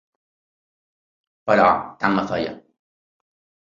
Però tant me feia.